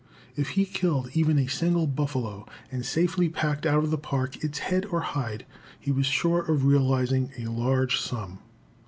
If he killed even a single buffalo, and safely packed out of the Park its head or hide, he was sure of realizing a large sum.